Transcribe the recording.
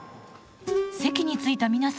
席についた皆さん